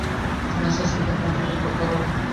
সন্ন্যাসী আসিলেই প্রথমে অন্তঃপুরে একবার তার তলব পড়িত।